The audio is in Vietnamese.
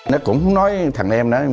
nó cũng nói thằng em đó